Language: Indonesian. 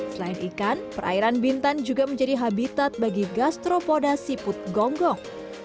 selain ikan perairan bintan juga menjadi habitat bagi gastropoda siput gonggong